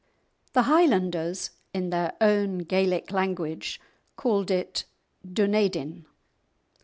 The Highlanders, in their own Gaelic language, called it Dunedin.